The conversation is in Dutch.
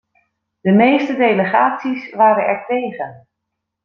De meeste delegaties waren ertegen.